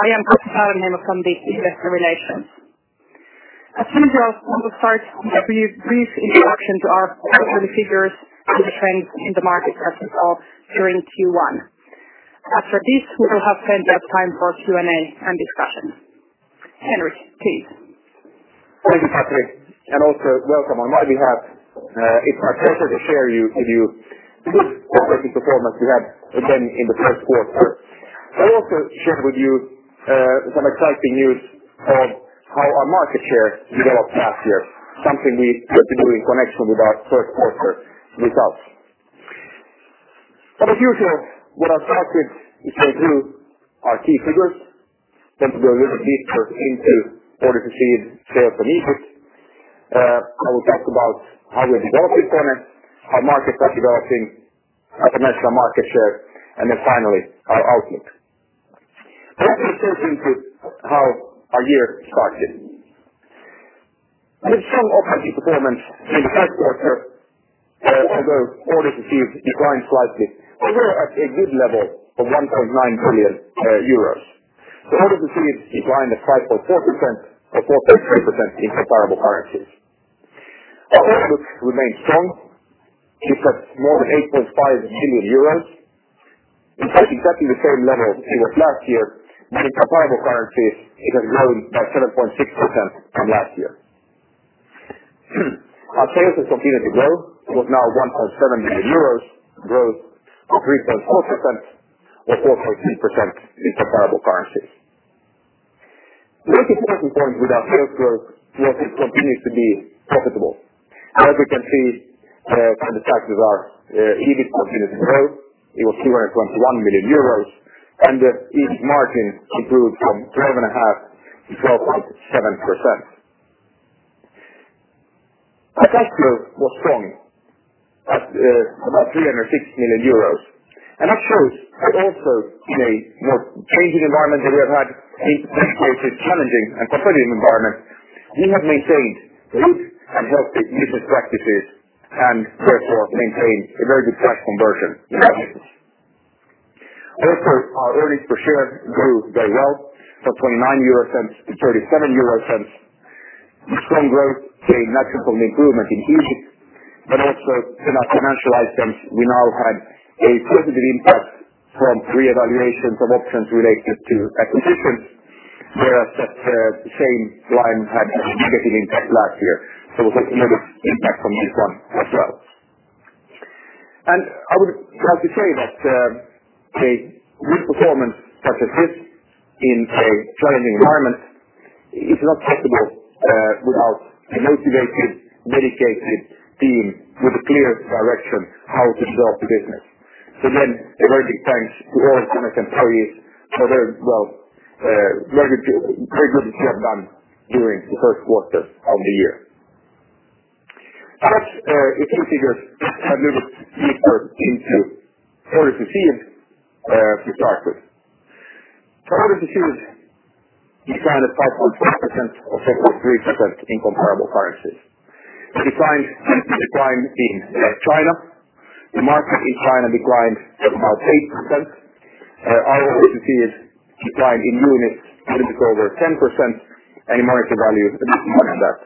I am Katri Saarenheimo, I'm from the investor relations. As usual, we will start with a brief introduction to our quarterly figures and the trends in the market that we saw during Q1. After this, we will have plenty of time for Q&A and discussion. Henrik, please. Thank you, Katri, welcome on my behalf. It's my pleasure to share with you the good, quarterly performance we had then in the first quarter, also share with you some exciting news of how our market share developed last year, something we particularly in connection with our first quarter results. For the future, we have started to go through our key figures, to go a little deeper into orders received sales and EBIT. I will talk about how we have developed in KONE, how markets are developing, our commercial market share, finally, our outlook. Let me first into how our year started. We had a strong operating performance in the first quarter, although orders received declined slightly. We were at a good level of 1.9 billion euros. The orders received declined to 5.4% or 4.3% in comparable currencies. Our outlook remained strong, just at more than 8.5 billion euros. In fact, exactly the same level it was last year, in comparable currency, it has grown by 7.6% from last year. Our sales have continued to grow and is now 1.7 billion euros, growth of 3.4% or 4.3% in comparable currencies. This is an important point with our sales growth, because it continues to be profitable. As you can see from the sizes, our EBIT continued to grow. It was 221 million euros, the EBIT margin improved from 12.5%-12.7%. Our cash flow was strong, at about 360 million euros. That shows that also in a more changing environment that we have had, a potentially challenging and competitive environment, we have maintained good and healthy business practices, therefore, maintained a very good cash conversion. Also, our earnings per share grew very well, from 0.29-0.37 euro. With strong growth came natural from the improvement in EBIT, also in our financial items, we now had a positive impact from reevaluation from options related to acquisitions, whereas that same line had a negative impact last year. It was a negative impact on this one as well. I would like to say that a good performance such as this in a challenging environment is not possible without a motivated, dedicated team with a clear direction how to grow the business. Again, a very big thanks to all of KONE employees for their great work you have done during the first quarter of the year. As a few figures, let's dive a little deeper into orders received we started. Orders received declined to 5.4% or 4.3% in comparable currencies. The decline in China, the market in China declined just about 8%. Our orders received declined in units, a little bit over 10%, and in market value, a bit more than that.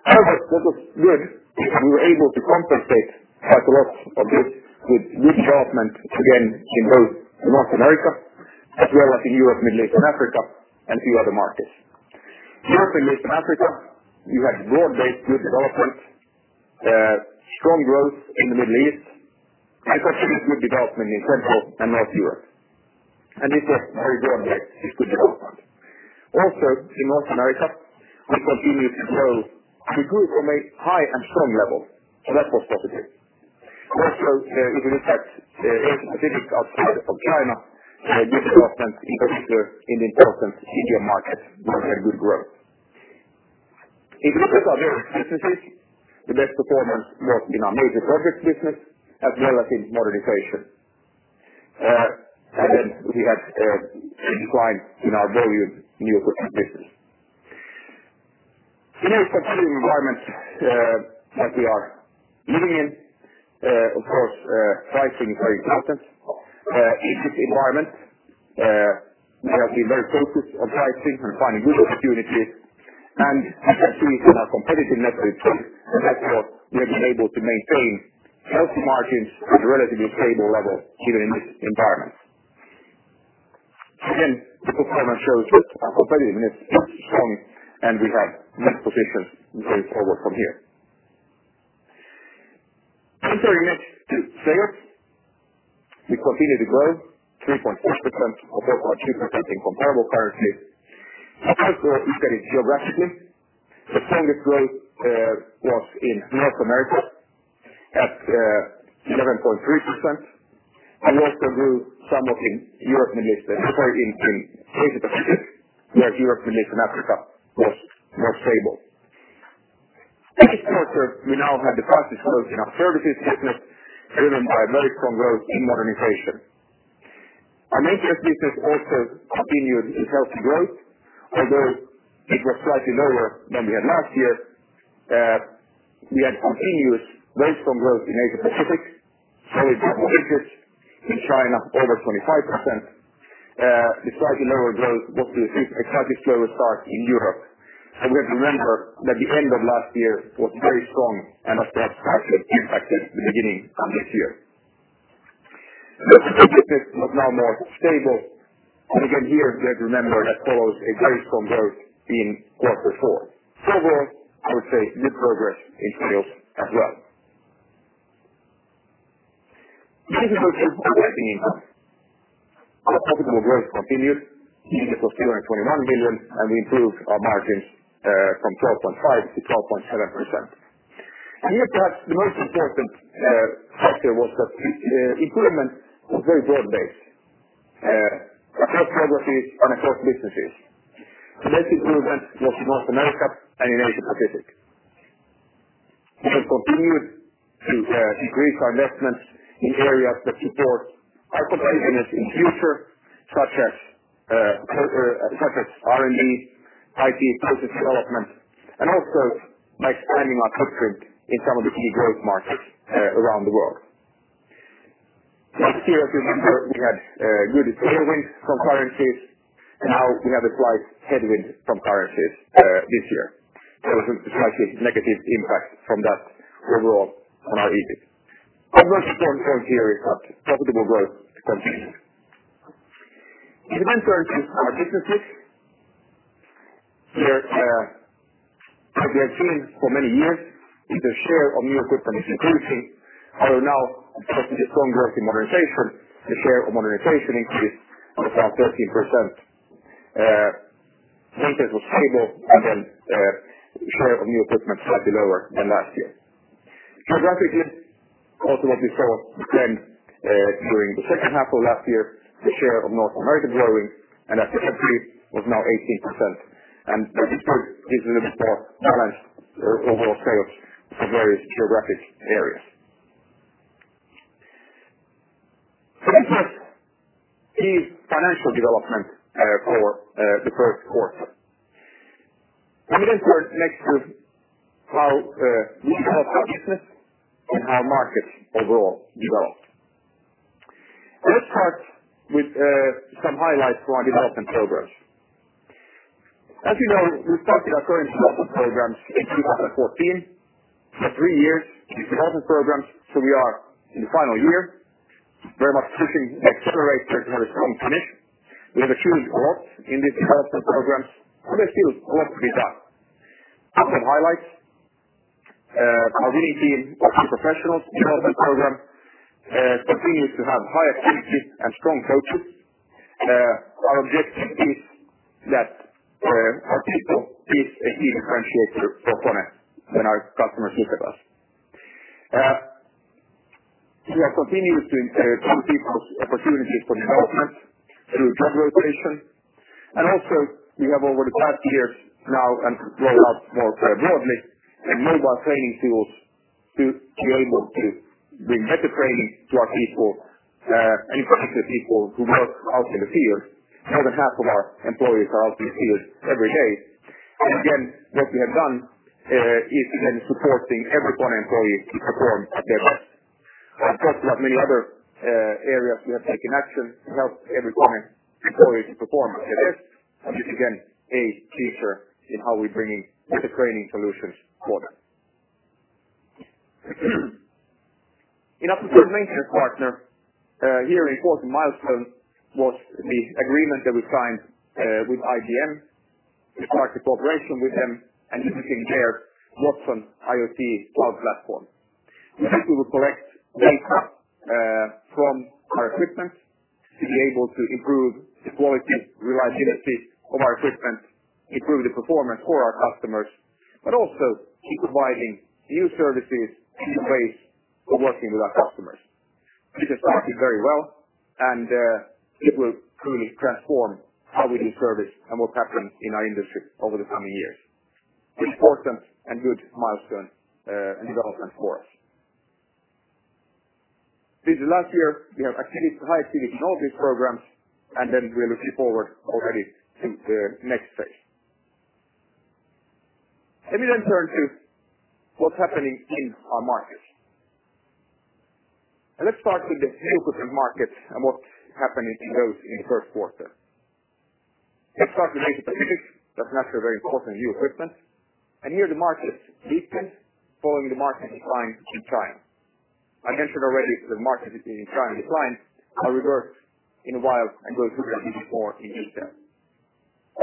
This is good. We were able to compensate quite a lot of this with good development again in both North America, as well as in Europe, Middle East and Africa, and few other markets. We had broad-based good development, strong growth in the Middle East, and continued good development in Central and North Europe. This was very broad-based, this good development. In North America, we continued to grow. We grew from a high and strong level, that was positive. If you look at Asia Pacific outside of China, good development, in particular in the important Indian market, where we had good growth. If you look at our various businesses, the best performance was in our major projects business as well as in modernization. We had a decline in our volume new equipment business. In a competing environment that we are living in, of course, pricing is very important. In this environment, we have been very focused on pricing and finding good opportunities, you can see it in our competitive metrics. We have been able to maintain healthy margins at a relatively stable level even in this environment. Again, the performance shows our competitiveness is strong, we have a nice position going forward from here. Entering next to sales, we continue to grow 3.4% or 4.3% in comparable currency. If you look geographically, the strongest growth was in North America at 11.3%, we also grew somewhat in Europe, Middle East and Africa in basic percentage, where Europe, Middle East and Africa was more stable. This quarter, we now had the fastest growth in our services business, driven by very strong growth in modernization. Our majors business also continued in healthy growth, although it was slightly lower than we had last year. We had continuous very strong growth in Asia Pacific. We got inaudible in China over 25%. Slightly lower growth, what we think, a slightly slower start in Europe. We have to remember that the end of last year was very strong and that had slightly impacted the beginning of this year. inaudible was now more stable. Again, here we have to remember that follows a very strong growth in Q4. Overall, I would say good progress in sales as well. inaudible income. Our profitable growth continued, earnings of 221 million, we improved our margins from 12.5% to 12.7%. Here perhaps the most important factor was that improvement was very broad-based, across geographies and across businesses. The best improvement was in North America and in Asia-Pacific. We have continued to increase our investments in areas that support our competitiveness in future, such as R&D, IT, business development, and also expanding our footprint in some of the key growth markets around the world. Last year, if you remember, we had a good tailwind from currencies, now we have a slight headwind from currencies this year. There was a slightly negative impact from that overall on our EBIT. inaudible profitable growth continues. Our businesses, as we have seen for many years, is the share of new equipment is increasing. However, now despite the strong growth in modernization, the share of modernization increased to about 13%. Was stable, share of new equipment slightly lower than last year. Geographically, also what we saw then during the second half of last year, the share of North America growing and Africa was now 18%. 18% gives a little bit more balance to overall sales for various geographic areas. Let us see financial development for the first quarter. Next to how we help our business and how markets overall develop. Let's start with some highlights from our development programs. As you know, we started our current development programs in 2014, so three years into development programs. We are in the final year, very much pushing the accelerator to have a strong finish. We have achieved a lot in these development programs, but there's still a lot to be done. Some highlights. Our Leading Team of Professionals Development Program continues to have high activity and strong coaches. Our objective is that our people be a key differentiator for KONE when our customers look at us. We are continuing to give people opportunities for development through job rotation. Also, we have over the past years now and going out more broadly, mobile training tools to be able to bring better training to our people, in particular people who work out in the field. More than half of our employees are out in the field every day. What we have done is supporting every KONE employee to perform at their best. Of course, we have many other areas we have taken action to help every KONE employee to perform at their best, and this is, again, a feature in how we're bringing better training solutions for them. Maintenance partner here an important milestone was the agreement that we signed with IBM to start a cooperation with them and using their Watson IoT Platform. We would collect data from our equipment to be able to improve the quality, reliability of our equipment, improve the performance for our customers, but also keep providing new services and ways of working with our customers. This has started very well, and it will truly transform how we do service and what happens in our industry over the coming years. It's important and good milestone and development for us. This last year, we have achieved high finish in all these programs. We are looking forward already to the next phase. Let me turn to what's happening in our markets. Let's start with the new equipment markets and what's happening in those in the first quarter. Let's start with Asia-Pacific. That's naturally very important new equipment. Here the markets deepened following the market decline in China. I mentioned already the markets in China decline, however, in a while and going through as we did before in Asia.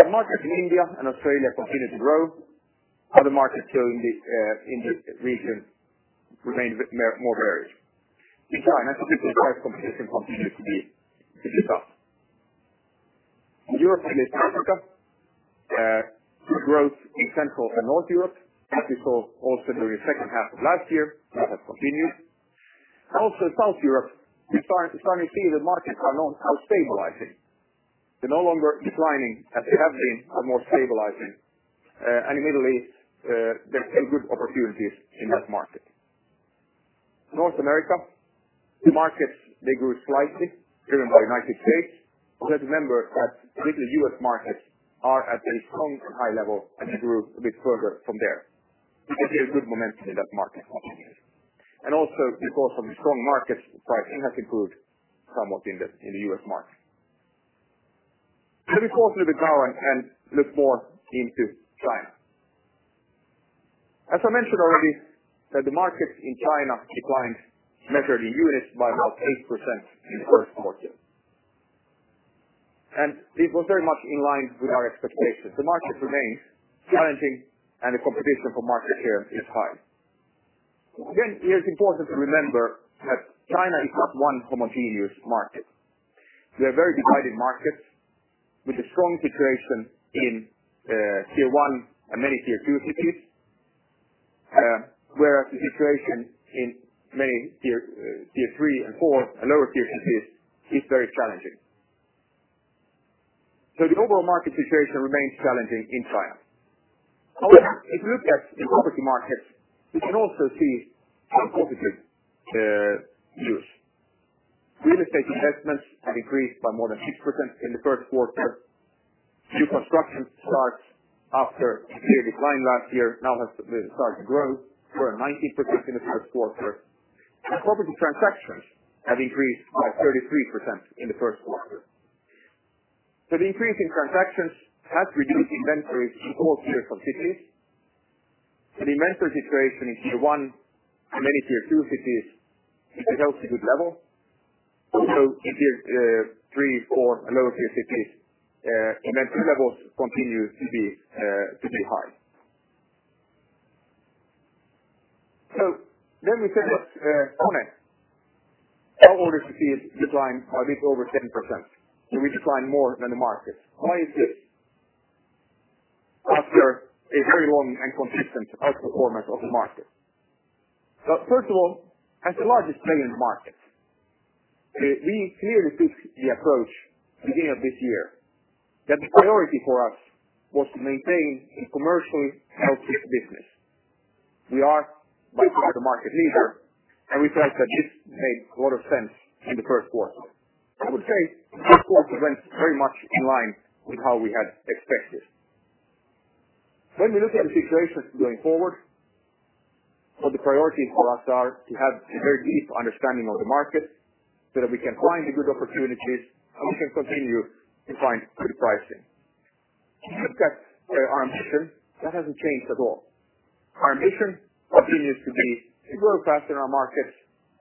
The markets in India and Australia continue to grow. Other markets here in the region remain more varied. In China, competition continues to be tough. In Europe and East Africa, good growth in Central and North Europe. As we saw also during the second half of last year, that has continued. South Europe, we're starting to see the markets are now stabilizing. They're no longer declining as they have been, are more stabilizing. In Italy, there are still good opportunities in that market. North America, the markets, they grew slightly, driven by United States. Let's remember that really U.S. markets are at a strong high level, and they grew a bit further from there. We can see a good momentum in that market opportunity, and also because of strong market price increase improved somewhat in the U.S. market. Let me go through the calendar and look more into China. As I mentioned already, the market in China declined, measured in units, by about 8% in the first quarter, and it was very much in line with our expectations. The market remains challenging, and the competition for market share is high. It is important to remember that China is not one homogeneous market. We are a very divided market with a strong situation in tier 1 and many tier 2 cities, whereas the situation in many tier 3 and 4 and lower tier cities is very challenging. The overall market situation remains challenging in China. However, if you look at the property market, you can also see some positive news. Real estate investments have increased by more than 6% in the first quarter. New construction starts after a clear decline last year now has started to grow for 19% in the first quarter, and property transactions have increased by 33% in the first quarter. The increase in transactions has reduced inventories in most tier cities. The inventory situation in tier 1 and many tier 2 cities is at a healthy, good level. Also in tier 3, 4, and lower tier cities, inventory levels continue to be high. Let me say this, KONE, our orders received declined by a bit over 10%, we declined more than the market. Why is this? After a very long and consistent outperformance of the market. First of all, as the largest player in the market, we clearly took the approach at the beginning of this year that the priority for us was to maintain a commercially healthy business. We are by far the market leader, and we felt that this made a lot of sense in the first quarter. I would say the first quarter went very much in line with how we had expected. When we look at the situations going forward, what the priorities for us are to have a very deep understanding of the market so that we can find the good opportunities and we can continue to find good pricing. If you look at our ambition, that hasn't changed at all. Our ambition continues to be to grow faster in our markets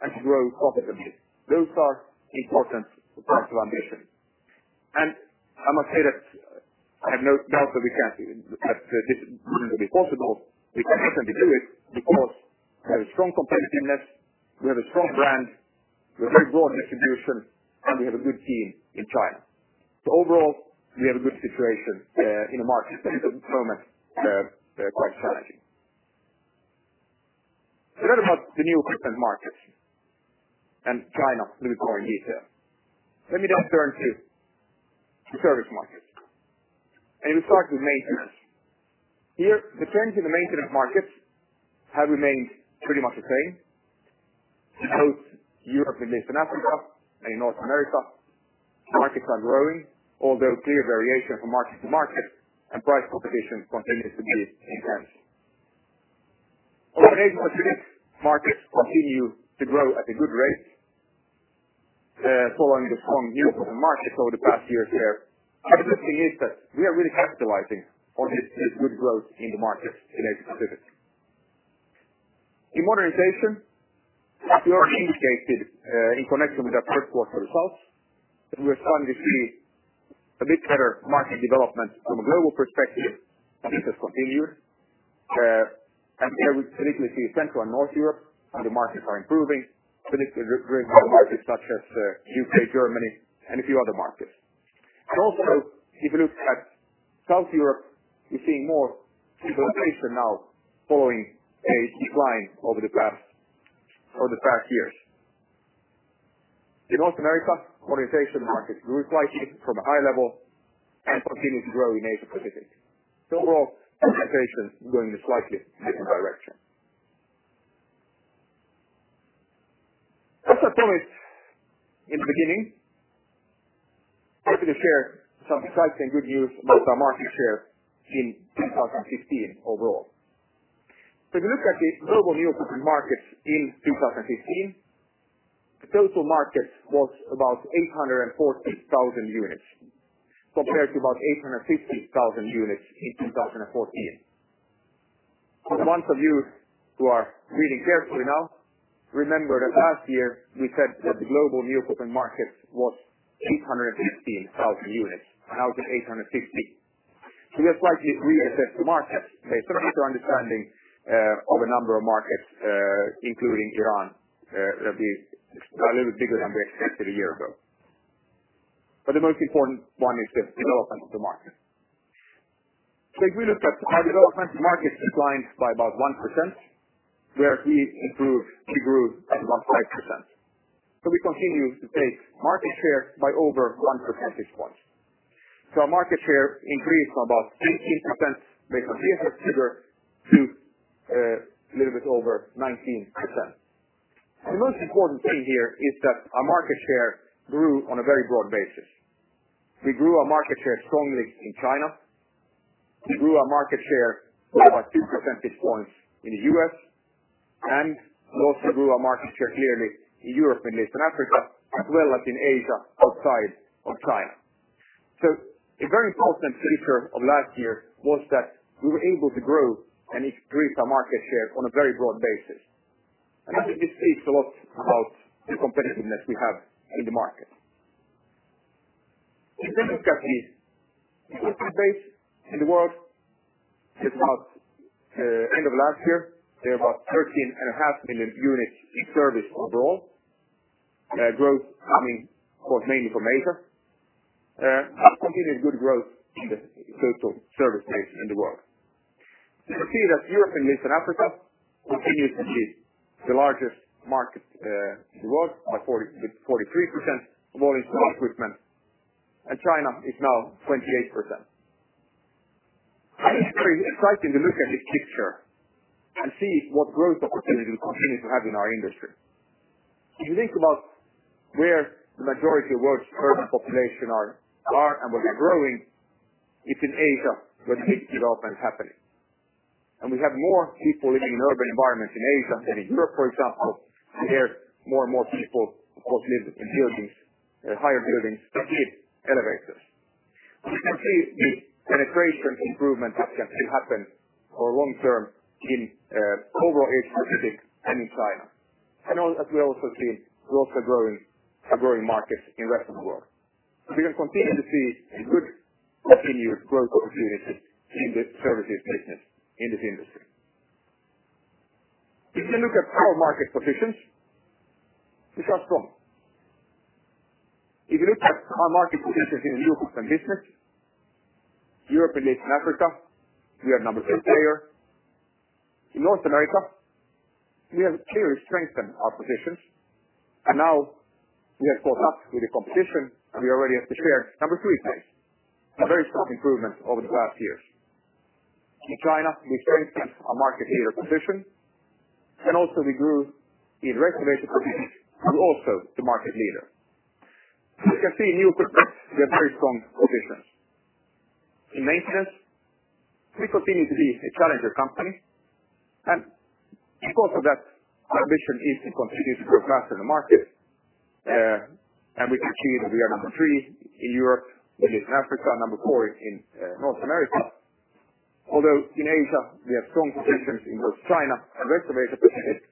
and to grow profitably. Those are important parts of our ambition. I must say that I have no doubt that this will be possible. We can definitely do it because we have a strong competitiveness, we have a strong brand, we have very broad distribution, and we have a good team in China. Overall, we have a good situation in a market that at the moment is quite challenging. A lot about the new equipment markets and China in the current year. Let me now turn to the service market. We start with maintenance. Here, the trends in the maintenance markets have remained pretty much the same in both Europe, Middle East and Africa and North America. Markets are growing, although clear variation from market to market and price competition continues to be intense. Our Asia-Pacific markets continue to grow at a good rate, following the strong growth of the market over the past years there. Interesting is that we are really capitalizing on this good growth in the market in Asia-Pacific. In modernization, we are communicated in connection with our first quarter results that we're starting to see a bit better market development from a global perspective, and this has continued. Here we particularly see Central and North Europe how the markets are improving, particularly growing markets such as U.K., Germany, and a few other markets. Also, if you look at South Europe, you're seeing more stabilization now following a decline over the past few years. In North America, modernization markets grew slightly from a high level and continue to grow in Asia-Pacific. Overall, modernization is going in a slightly different direction. As I promised in the beginning, happy to share some exciting good news about our market share in 2015 overall. If you look at the global new equipment market in 2015, the total market was about 846,000 units, compared to about 850,000 units in 2014. For the ones of you who are reading carefully now, remember that last year we said that the global new equipment market was 815,000 units. Now it is 816,000. We have slightly reassessed the market based on a better understanding of a number of markets, including Iran, that we got a little bigger than we expected a year ago. The most important one is the development of the market. If we look at our development market declined by about 1%, whereas we improved, we grew at about 5%. We continue to take market share by over one percentage point. Our market share increased from about 18% based on previous figures to a little bit over 19%. The most important thing here is that our market share grew on a very broad basis. We grew our market share strongly in China. We grew our market share by two percentage points in the U.S., and also grew our market share clearly in Europe, Middle East and Africa, as well as in Asia outside of China. A very important feature of last year was that we were able to grow and increase our market share on a very broad basis. I think this says a lot about the competitiveness we have in the market. If you look at the installed base in the world, at about the end of last year, there were about 13.5 million units in service overall. Growth coming, of course, mainly from Asia. Continued good growth in the total service base in the world. You can see that Europe, Middle East and Africa continue to be the largest market in the world by 43% of all installations, and China is now 28%. I think it's very exciting to look at this picture and see what growth opportunity we continue to have in our industry. If you think about where the majority of the world's urban population are and where they're growing, it's in Asia, where big development is happening. We have more people living in urban environments in Asia than in Europe, for example, where more and more people, of course, live in buildings, higher buildings that need elevators. We can see the penetration improvement that can happen over long term in overall Asia-Pacific and in China. As we also see, we also have growing markets in the rest of the world. We can continue to see a good continued growth opportunity in the services business in this industry. If you look at our market positions, we are strong. If you look at our market positions in new equipment business, Europe, Middle East and Africa, we are number 2 player. In North America, we have clearly strengthened our positions, now we have caught up with the competition, we already have the share number 3 place. A very strong improvement over the last years. In China, we strengthened our market leader position. Also we grew in Rest of Asia-Pacific, also the market leader. We can see new equipment, we have very strong positions. In maintenance, we continue to be a challenger company, because of that, our ambition is to continue to grow faster in the market. We can see that we are number 3 in Europe and East Africa, number 4 in North America. Although in Asia, we have strong positions in both China and Rest of Asia-Pacific.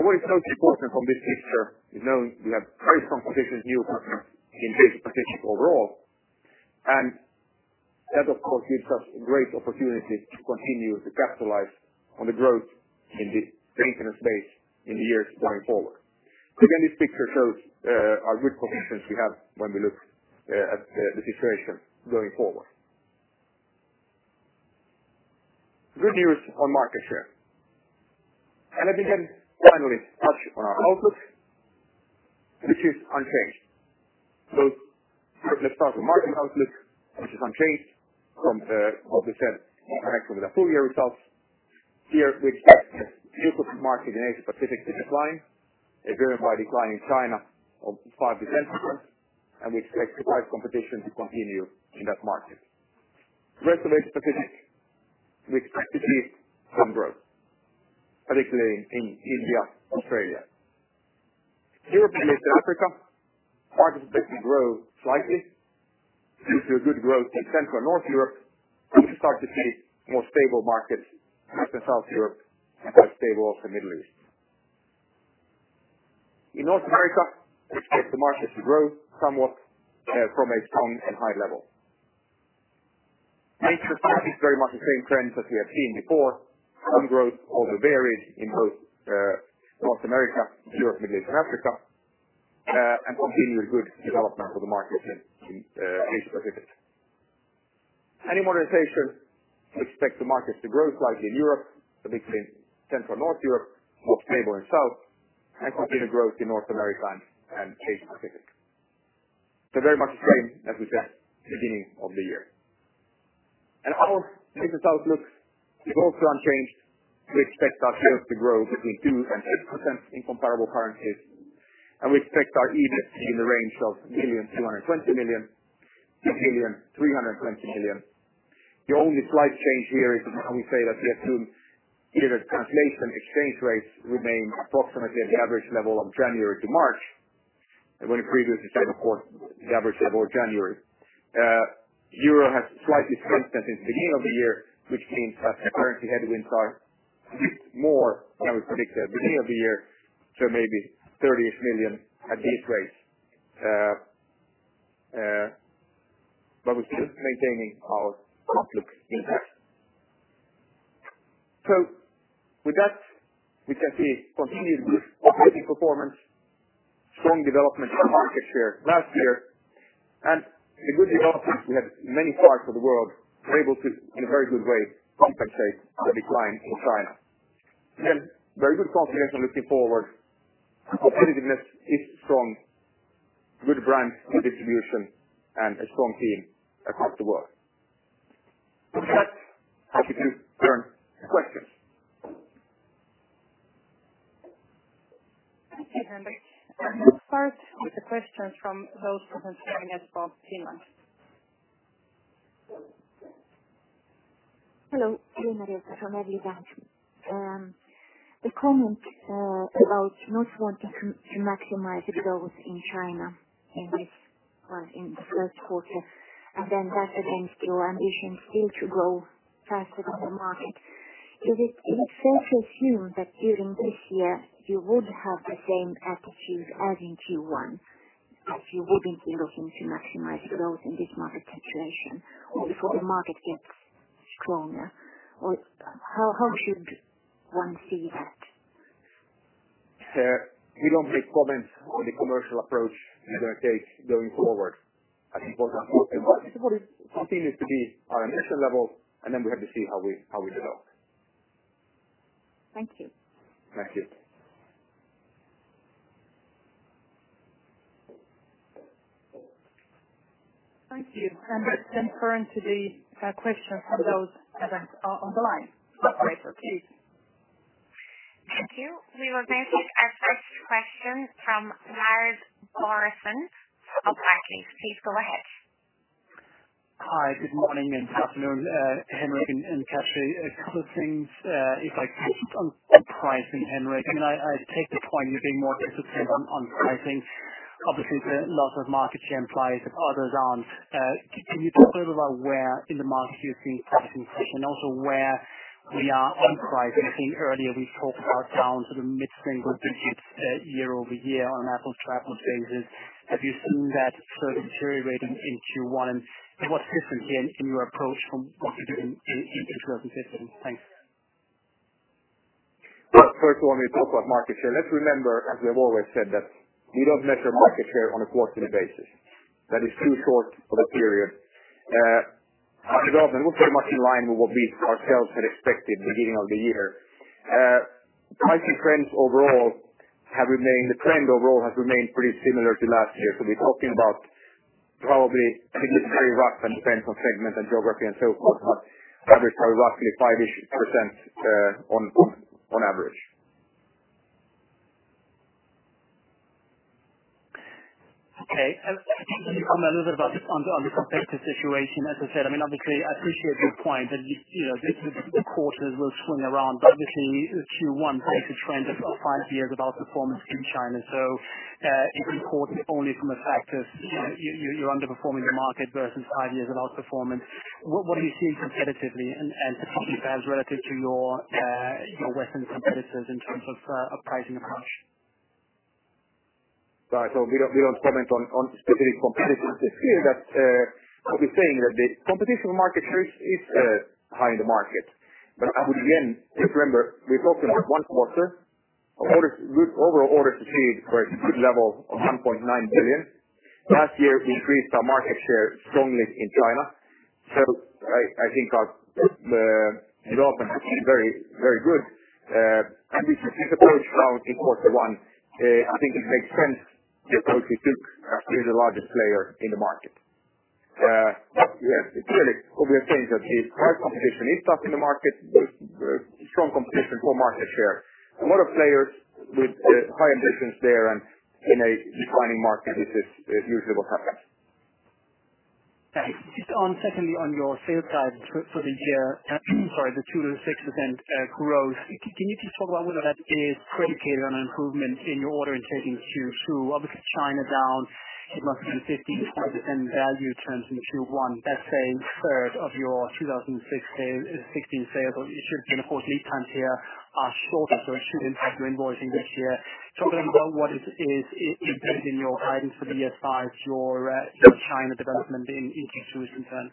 What is so important from this picture is knowing we have very strong position new equipment in this position overall. That, of course, gives us a great opportunity to continue to capitalize on the growth in the maintenance base in the years going forward. Again, this picture shows our good positions we have when we look at the situation going forward. Good news on market share. I think then finally touch on our outlook, which is unchanged. Let's start with market outlook, which is unchanged from what we said in connection with the full year results. Here we expect the new equipment market in Asia-Pacific to decline, driven by decline in China of 5 percentage points, we expect price competition to continue in that market. Rest of Asia-Pacific, we expect to see some growth, particularly in India, Australia. Europe, Middle East and Africa, market is expected to grow slightly due to a good growth in Central North Europe. We start to see more stable markets in Western South Europe and quite stable also Middle East. In North America, we expect the market to grow somewhat from a strong and high level. Maintenance is very much the same trends as we have seen before. Some growth, although varied in both North America, Europe, Middle East and Africa, continued good development of the market in Asia-Pacific. In modernization, we expect the market to grow slightly in Europe, particularly in Central North Europe, more stable in South, continued growth in North America and Asia-Pacific. Very much the same as we said at the beginning of the year. Our business outlook is also unchanged. We expect our sales to grow between 2%-6% in comparable currencies. We expect our EBIT to be in the range of 2,220 million-2,320 million. The only slight change here is we say that we assume translation exchange rates remain approximately at the average level of January to March, when we previously said, of course, the average level of January. Euro has slightly strengthened since the beginning of the year, which means our currency headwinds are a bit more than we predicted at the beginning of the year, so maybe 30 million at these rates. We're still maintaining our outlook intact. With that, we can see continued good operating performance, strong development of market share last year, and a good development. We have many parts of the world we're able to, in a very good way, compensate the decline in China. Again, very good confidence on looking forward. Our competitiveness is strong. Good brands, good distribution, and a strong team across the world. With that, happy to turn to questions. Henrik. We'll start with the questions from those who have joined us from Finland. Hello. Tina. The comment about not wanting to maximize the growth in China in the first quarter, and that against your ambition still to grow faster than the market. Is it safe to assume that during this year you would have the same attitude as in Q1, that you wouldn't be looking to maximize growth in this market situation or before the market gets stronger? How should one see that? We don't make comments on the commercial approach we're going to take going forward. I think what I said, what is continued to be our initial levels, and then we have to see how we develop. Thank you. Thank you. Thank you. Let's turn to the questions from those that are on the line. Operator, please. Thank you. We will now take our first question from Lars Brorson of Barclays. Please go ahead. Hi, good morning and afternoon, Henrik and Katri. A couple of things, if I could, on pricing, Henrik, I take the point, you're being more disciplined on pricing. Obviously, there are lots of market share implies others aren't. Can you talk a little about where in the market you're seeing pricing pressure and also where we are on pricing? I think earlier we talked about down to the mid-single digits year-over-year on average travel changes. Have you seen that sort of deteriorating in Q1? What's different, again, in your approach from what you're doing in previous years? Thanks. We talked about market share. Let's remember, as we have always said, that we don't measure market share on a quarterly basis. That is too short of a period. Our development was pretty much in line with what we ourselves had expected beginning of the year. The trend overall has remained pretty similar to last year. We're talking about probably very rough and depends on segment and geography and so forth, but others are roughly 5-ish % on average. Can you comment a little bit on the competitive situation? I appreciate your point that the quarters will swing around, Q1 breaks a trend of five years of outperformance in China. If you report it only from a factor, you're underperforming the market versus five years of outperformance. What are you seeing competitively and specifically as relative to your western competitors in terms of pricing approach? Right. We don't comment on specific competitors. It's clear that what we're saying a bit, competition for market share is high in the market. Again, just remember, we're talking about one quarter of orders. Overall orders received were at a good level of 1.9 billion. Last year, we increased our market share strongly in China. I think our development has been very good. We see this approach now in Q1. I think it makes sense, the approach we took as the largest player in the market. Yeah. Clearly, what we are saying is that high competition is tough in the market, but strong competition for market share. A lot of players with high ambitions there and in a declining market, this is usually what happens. Just on secondly on your sales guide for the year, sorry, the 2%-6% growth. Can you talk about whether that is predicated on an improvement in your order in Q2? Obviously, China down 11.5% value terms in Q1, that's a third of your 2016 sales. It should be, of course, lead times here are shorter, so it should impact your invoicing this year. Talking about what is included in your guidance for the year, your China development in Q2 in turn.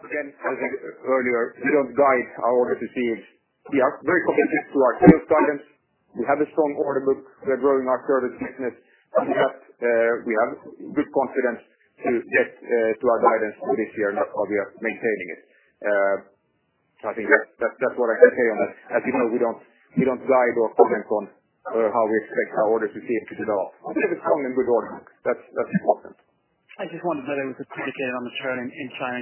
Again, as I said earlier, we don't guide our orders received. We are very positive to our service content. We have a strong order book. We are growing our service business, and we have good confidence to get to our guidance for this year, not obvious maintaining it. I think that's what I can say on that. As you know, we don't guide or comment on how we expect our orders received to develop. I think it's strong and good order. That's important. I just wondered whether it was predicated on the turn in China.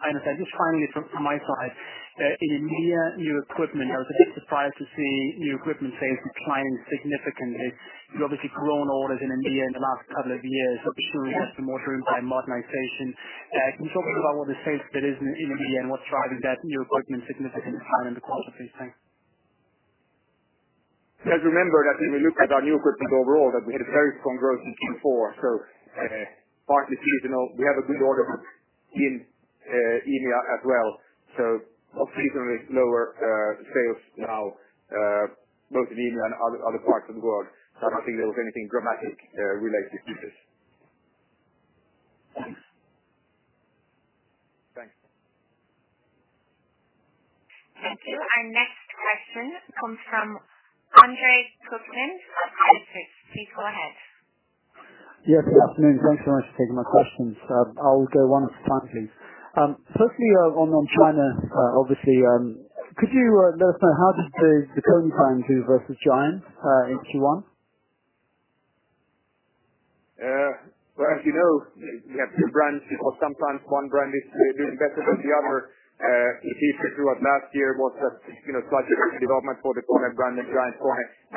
I understand. Just finally from my side, in EMEA new equipment, I was a bit surprised to see new equipment sales decline significantly. You've obviously grown orders in EMEA in the last couple of years, obviously with some more driven by modernization. Can you talk a bit about what the sales there is in EMEA and what's driving that new equipment significant decline in the quarter, please? Thanks. Remember that when we look at our new equipment overall, that we had a very strong growth in Q4, partly seasonal. We have a good order book in EMEA as well. Seasonally lower sales now both in EMEA and other parts of the world. I don't think there was anything dramatic related to this. Thanks. Thanks. Thank you. Our next question comes from Andre Kukhnin of Credit Suisse. Please go ahead. Yes. Good afternoon. Thanks so much for taking my questions. I'll go one at a time, please. Firstly, on China, obviously, could you let us know how did the KONE brand do versus GiantKONE in Q1? As you know, we have two brands because sometimes one brand is doing better than the other. Throughout last year was a slight development for the KONE brand, and now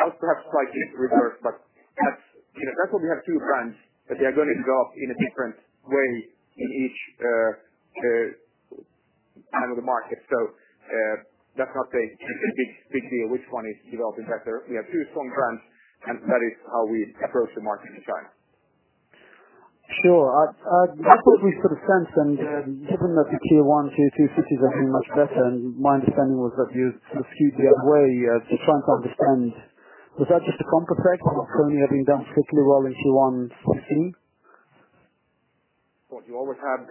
it's perhaps slightly in reverse. That's why we have two brands, that they are going to go off in a different way in each kind of the market. That's not a big deal which one is developing better. We have two strong brands, and that is how we approach the market in China. Sure. I completely sort of sense, given that the tier 1, tier 2 cities are doing much better, my understanding was that you sort of skewed the other way to try and understand. Was that just a composite of KONE having done particularly well in Q1 2016? Well, you always have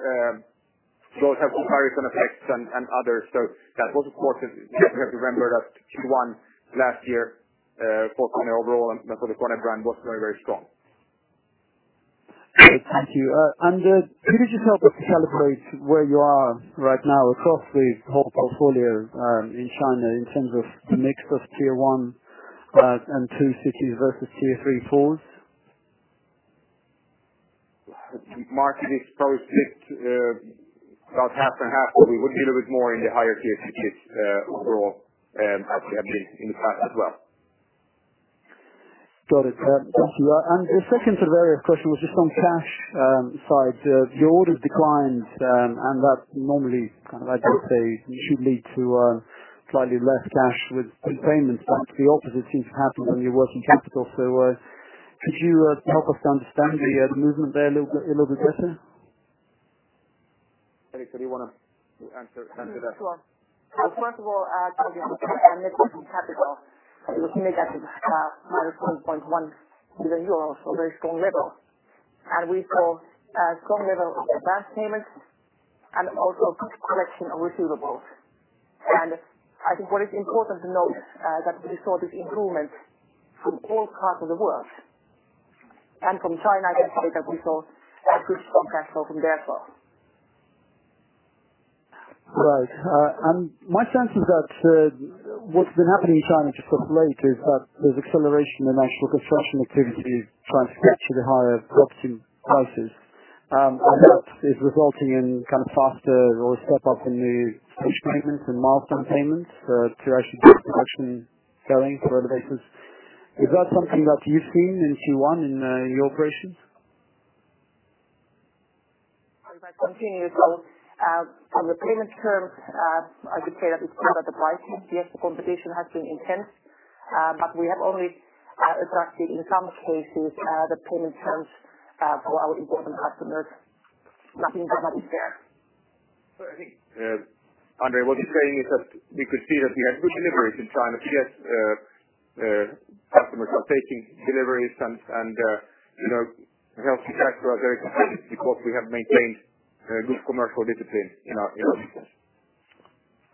various effects and others. That was, of course, you have to remember that Q1 last year, for KONE overall, and for the KONE brand, was very, very strong. Great. Thank you. Could you just help us to calibrate where you are right now across the whole portfolio in China in terms of the mix of tier 1 and tier cities versus tier 3, 4s? Market is probably split about half and half, or even a little bit more in the higher tier cities overall, have been in the past as well. Got it. Thank you. The second to the various question was just on cash side. The orders declined, and that normally, I would say, should lead to slightly less cash with payments. The opposite seems to happen when you're working capital. Could you help us to understand the movement there a little bit better? Elisa, do you want to answer that? Sure. First of all, our net working capital, looking at it, is minus 1.1 billion euros, so very strong level. We saw a strong level of advance payments and also a good collection of receivables. I think what is important to note, that we saw this improvement from all parts of the world. From China, I can say that we saw a good progress from there as well. Right. My sense is that what's been happening in China sort of late is that there's acceleration in the national construction activity trying to catch the higher property prices. That is resulting in kind of faster or a step up in the stage payments and milestone payments to actually get the production going for elevators. Is that something that you've seen in Q1 in your operations? If I continue, on the payment terms, I could say that it's inaudible. Competition has been intense, we have only attracted in some cases, the payment terms for our important customers. Nothing dramatic there. I think, Andre, what she's saying is that we could see that we had good deliveries in China. Customers are taking deliveries and healthy cash flow are very competitive because we have maintained good commercial discipline in our business.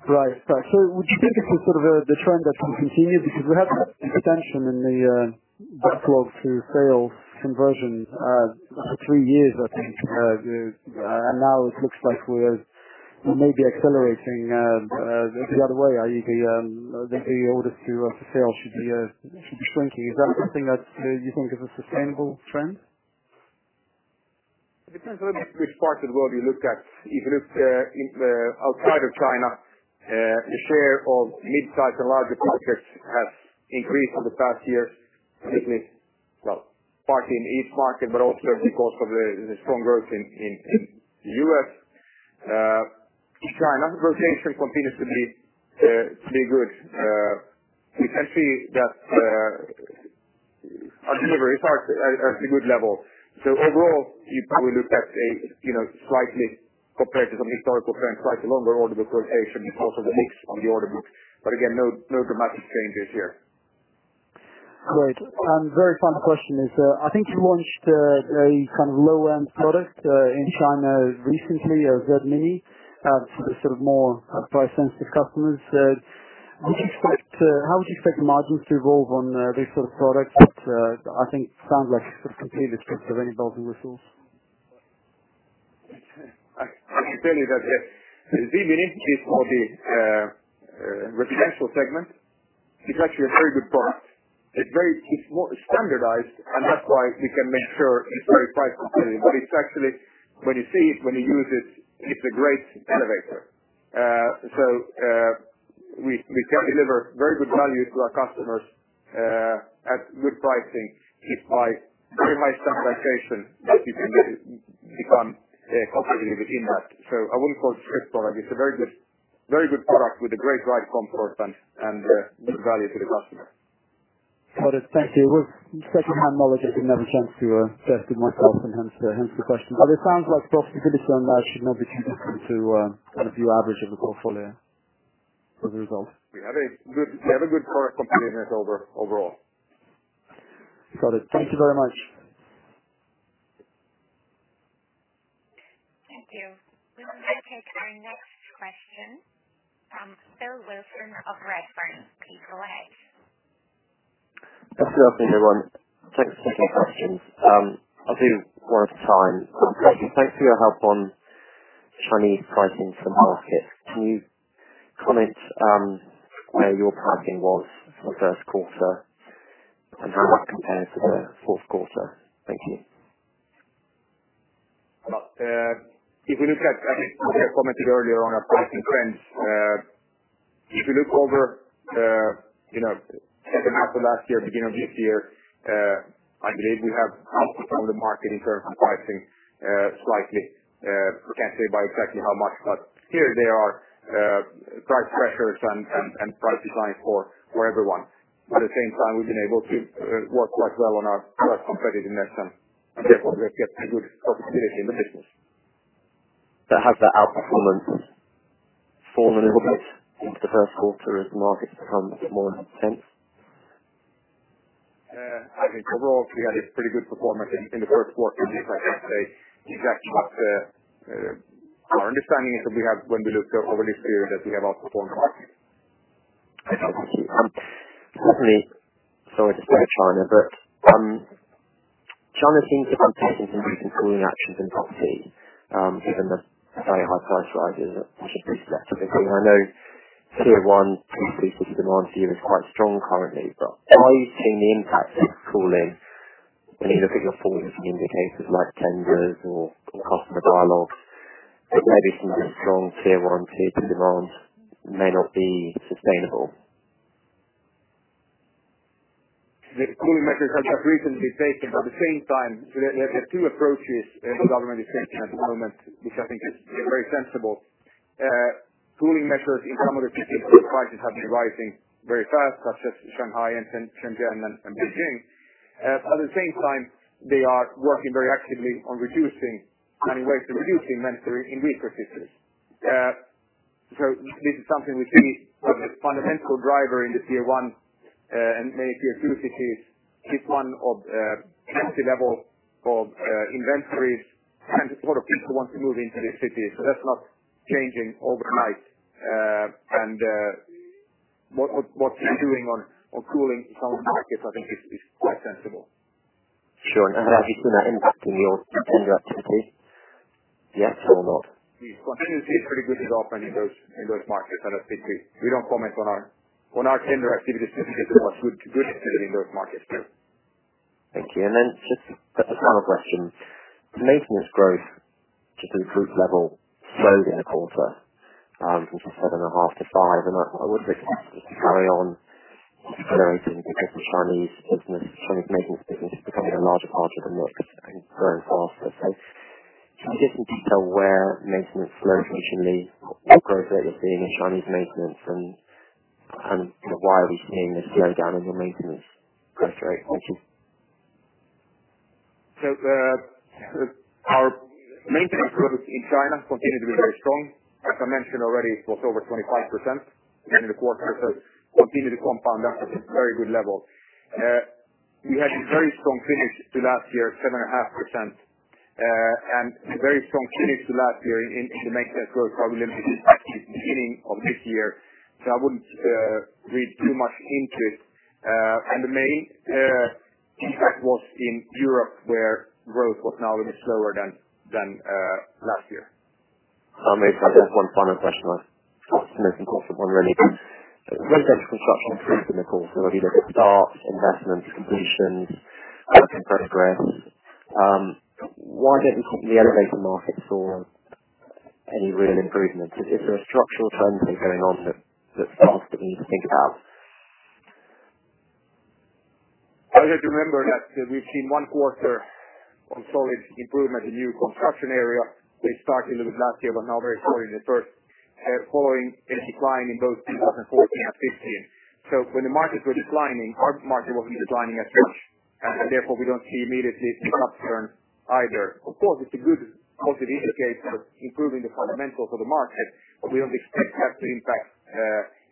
Right. Would you think this is sort of the trend that will continue? We have had extension in the backlog to sales conversion for 3 years, I think. Now it looks like we may be accelerating the other way, i.e., the orders to sales should be shrinking. Is that something that you think is a sustainable trend? It depends a little bit which part of the world you look at. If you look outside of China, the share of mid-size and larger projects has increased over the past years, particularly, well, partly in each market, also because of the strong growth in U.S. In China, the rotation continues to be good. We can see that our deliveries are at a good level. Overall, if we look at slightly compared to some historical trends, slightly longer order book rotation because of the mix on the order book. Again, no dramatic changes here. Great. Very final question is, I think you launched a kind of low-end product in China recently, a Z Mini, for the sort of more price-sensitive customers. How would you expect margins to evolve on these sort of products that I think sounds like completely different involving resource? I can tell you that the Z Mini is for the residential segment. It's actually a very good product. It's more standardized, that's why we can make sure it's very price competitive. It's actually, when you see it, when you use it's a great elevator. We can deliver very good value to our customers at good pricing despite very much standardization that you can become competitive in that. I wouldn't call it a strict product. It's a very good product with a great ride comfort and good value to the customer. Got it. Thank you. With second-hand knowledge, I didn't have a chance to test it myself and hence the question. It sounds like profitability on that should not be too different to kind of your average of the portfolio for the results. We have a good product competitiveness overall. Got it. Thank you very much. Thank you. We will now take our next question from Phil Wilson of Redburn. Please go ahead. Good afternoon, everyone. Thank you for your questions. I'll do one at a time. Of course. Thank you. Thanks for your help on Chinese pricing for markets. Comment where your pricing was for first quarter and how that compared to the fourth quarter. Thank you. If we look at, as I commented earlier, on our pricing trends. If you look over second half of last year, beginning of this year, I believe we have outperformed the market in terms of pricing, slightly. We can't say by exactly how much, clearly there are price pressures and price design for everyone. At the same time, we've been able to work quite well on our cost competitiveness, and therefore get a good profitability in the business. That has the outperformance fallen a little bit into the first quarter as markets become more intense? I think overall, we had a pretty good performance in the first quarter. As I say, Our understanding is that when we look over this period, that we have outperformed the market. Thank you. Lastly, sorry to stay in China seems to be undertaking some recent cooling actions in property, given the very high price rises that we should be expecting. I know tier 1 cities demand to you is quite strong currently, are you seeing the impact of this cooling when you look at your forward indicators like tenders or customer dialogues, that maybe some of that strong tier 1, tier 2 demand may not be sustainable? The cooling measures have just recently taken. At the same time, there are two approaches the government is taking at the moment, which I think is very sensible. Cooling measures in some of the cities where prices have been rising very fast, such as Shanghai and Shenzhen and Beijing. At the same time, they are working very actively on reducing inventory in weaker cities. This is something we see as a fundamental driver in the tier 1, and maybe tier 2 cities, this one of empty levels of inventories and a lot of people want to move into these cities. That's not changing overnight. What they're doing on cooling some of the markets, I think is quite sensible. Sure. Have you seen an impact in your tender activity, yes or not? We continue to see pretty good development in those markets. I think we don't comment on our tender activities, but there is good activity in those markets, too. Thank you. Just a final question. Maintenance growth to the group level slowed in the quarter, from 7.5% to 5%, and I would expect it to carry on decelerating because the Chinese maintenance business is becoming a larger part of the mix and growing faster. Can you give some detail where maintenance slowed recently? What growth rate are you seeing in Chinese maintenance? Why are we seeing this slowdown in your maintenance growth rate? Thank you. Our maintenance growth in China continued to be very strong. As I mentioned already, it was over 25% in the quarter. Continued to compound up at a very good level. We had a very strong finish to last year, 7.5%, and a very strong finish to last year in the maintenance growth. Probably a little bit impacted at the beginning of this year, so I wouldn't read too much into it. The main impact was in Europe where growth was now a bit slower than last year. Maybe just one final question on maintenance and also one related to residential construction. We know the starts, investments, completions are making progress. Why don't we see the elevator market see any real improvement? Is there a structural trend here going on that perhaps we need to think about? I just remember that we've seen one quarter of solid improvement in new construction area, which started a little bit last year but now very clearly the first, following a decline in both 2014 and 2015. When the markets were declining, our market wasn't declining as much, and therefore, we don't see immediately the upturn either. Of course, it's a good positive indicator of improving the fundamentals of the market. We don't expect that to impact,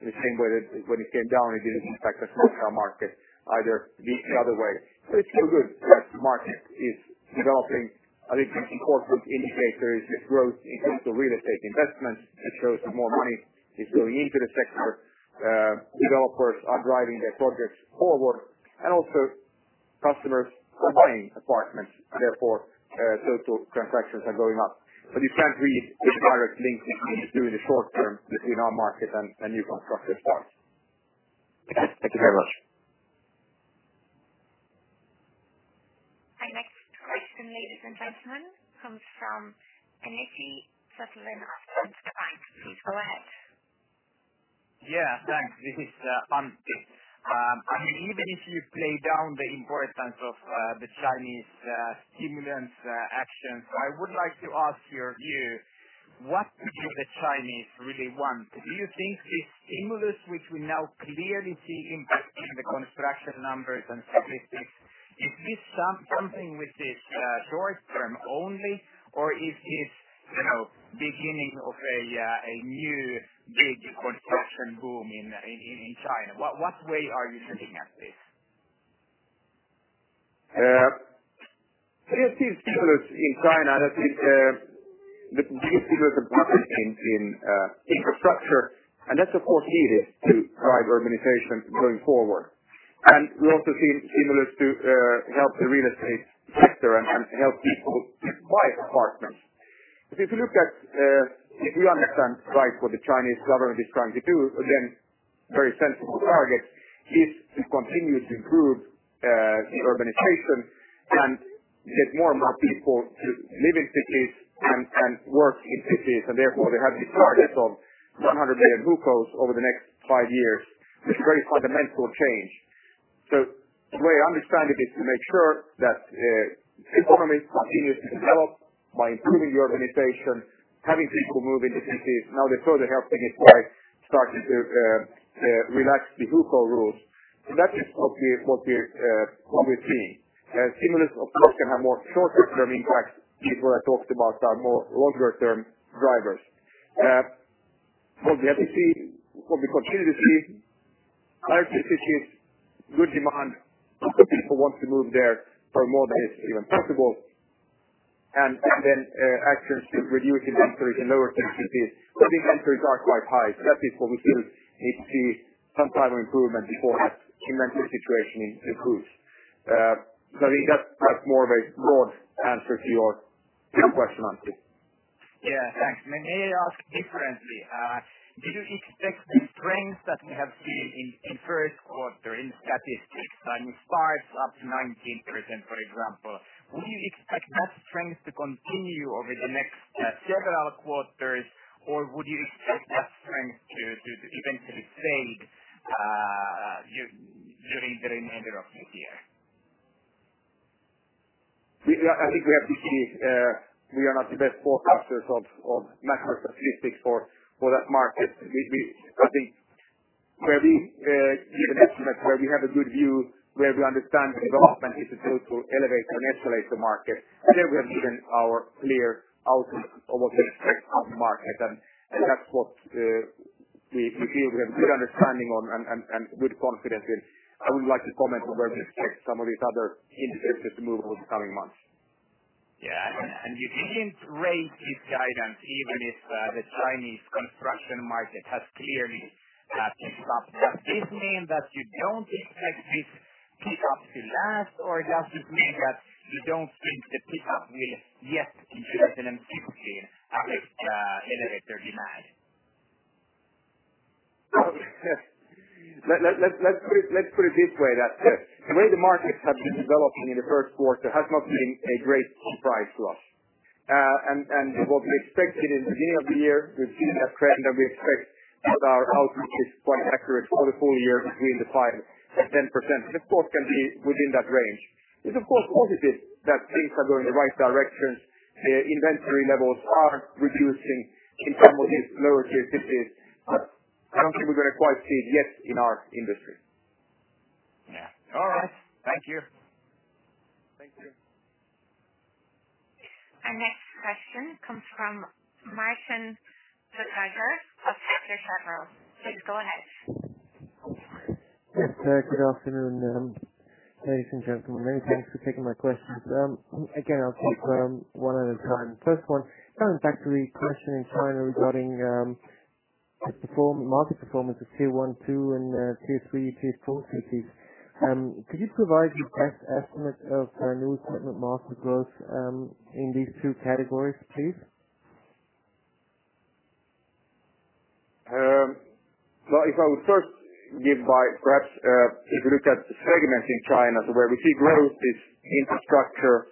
the same way that when it came down, it didn't impact the small town market either, the other way. It's still good that the market is developing. I think some core good indicators with growth in terms of real estate investments. It shows that more money is going into the sector. Developers are driving their projects forward. Also customers are buying apartments, and therefore, total transactions are going up. You can't read a direct link between the two in the short term, between our market and new construction starts. Thank you very much. Our next question, ladies and gentlemen, comes from Antti Suttelin from Danske Bank. Please go ahead. Yeah, thanks. This is on. Even if you play down the importance of the Chinese stimulants actions, I would like to ask your view, what do the Chinese really want? Do you think this stimulus, which we now clearly see impacting the construction numbers and statistics, is this something which is short-term only? Or is this beginning of a new big construction boom in China? What way are you looking at this? We have seen stimulus in China that is the biggest stimulus apparently in infrastructure, that's of course needed to drive urbanization going forward. We also see stimulus to help the real estate sector and help people buy apartments. If we understand right what the Chinese government is trying to do, very sensible target is to continuously improve the urbanization and get more and more people to live in cities and work in cities, therefore they have this target of 100 million hukous over the next five years, which is a very fundamental change. The way I understand it is to make sure that the economy continues to develop by improving the urbanization, having people move into cities. Now they further help things by starting to relax the hukou rules. That is what we're seeing. Stimulus, of course, can have more shorter-term impact. These, where I talked about, are more longer-term drivers. What we continue to see are cities, good demand. Lots of people want to move there for more than is even possible, then actions to reduce inventories in lower tier cities. The inventories are quite high. That is what we still need to see some type of improvement before that inventory situation improves. I think that's perhaps more of a broad answer to your question, Antti. Yeah, thanks. May I ask differently? Do you expect the trends that we have seen in first quarter in statistics, I mean, parts up 19%, for example. Would you expect that trend to continue over the next several quarters, or would you expect that trend to eventually fade during the remainder of this year? I think we have to see. We are not the best forecasters of macro statistics for that market. I think where we give an estimate, where we have a good view, where we understand development is it going to elevate or escalate the market, then we have given our clear outlook of what we expect of the market. That's what we feel we have good understanding on and good confidence with. I would like to comment on where we expect some of these other indicators to move over the coming months. Yeah. You didn't raise this guidance even if the Chinese construction market has clearly picked up. Does this mean that you don't expect this pickup to last, or does this mean that you don't think the pickup will yet influence significantly KONE's elevator demand? Let's put it this way, that the way the market has been developing in the first quarter has not been a great surprise to us. What we expected in the beginning of the year, we've seen a trend that we expect that our outlook is quite accurate for the full year between 5% and 10%. The fourth can be within that range. It's of course positive that things are going the right direction. Inventory levels are reducing in some of these lower tier cities, I don't think we're going to quite see it yet in our industry. Yeah. All right. Thank you. Thank you. Our next question comes from Martin Flueckiger of Kepler Cheuvreux. Please go ahead. Yes, sir. Good afternoon, ladies and gentlemen. Many thanks for taking my questions. Again, I'll take one at a time. First one, going back to the question in China regarding the market performance of tier 1, 2 and tier 3, tier 4 cities. Could you provide your best estimate of new equipment market growth in these two categories, please? Perhaps if you look at segments in China, where we see growth is infrastructure,